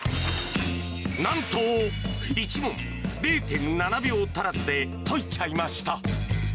なんと１問０．７秒足らずで解いちゃいました。